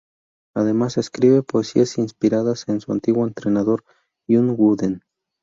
Además, escribe poesías inspiradas en su antiguo entrenador, John Wooden.